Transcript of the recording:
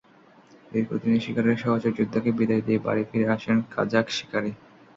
দীর্ঘদিনের শিকারের সহচর যোদ্ধাকে বিদায় দিয়ে বাড়ি ফিরে আসেন কাজাখ শিকারি।